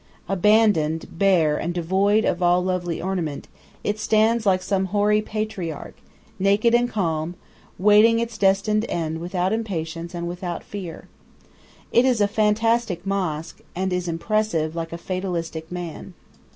Abandoned, bare, and devoid of all lovely ornament, it stands like some hoary patriarch, naked and calm, waiting its destined end without impatience and without fear. It is a fatalistic mosque, and is impressive, like a fatalistic man.